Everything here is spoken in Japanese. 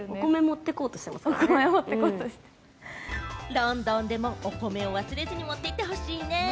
ロンドンでもお米を忘れずに持っていってほしいね。